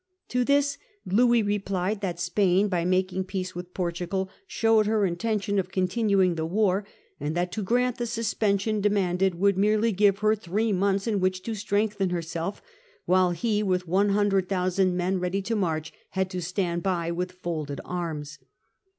To this Louis replied that Spain, by making peace with Portugal, showed her intention of continuing the war, and that to grant the suspension demanded would merely give her three months in which to strengthen herself, while he, with 100,000 men ready to march, had to stand by with folded arms.